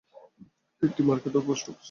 একটি মার্কেট ও post office আছে।